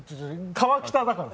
川北だから。